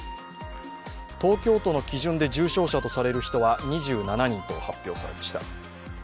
東京都の基準で重症者とされる人は２７人と発表されました。